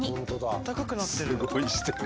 あったかくなってる。